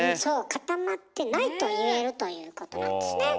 「固まってない」と言えるということなんですね。